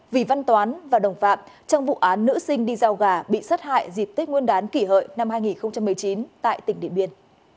vì văn toán và đồng phạm trong vụ án nữ sinh đi giao gà bị sát hại dịp tết nguyên đán kỷ hợi năm hai nghìn một mươi chín tại tỉnh điện biên